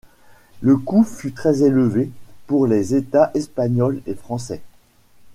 Le coût fut très élevé pour les Etats espagnols et français.